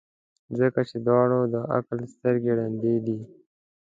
ځکه چي د دواړو د عقل سترګي ړندې دي.